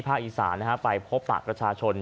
ภาคอีสานนะฮะไปพบปากประชาชน